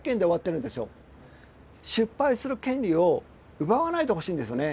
失敗する権利を奪わないでほしいんですよね。